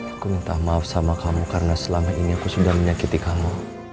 aku minta maaf sama kamu karena selama ini aku sudah menyakiti kamu